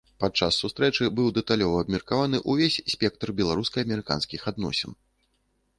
Падчас сустрэчы быў дэталёва абмеркаваны ўвесь спектр беларуска-амерыканскіх адносін.